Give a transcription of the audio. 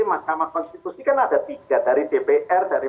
atau asal dari